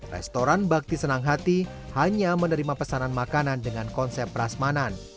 restoran bakti senang hati hanya menerima pesanan makanan dengan konsep rasmanan